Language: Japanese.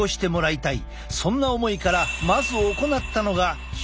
そんな思いからまず行ったのがすると！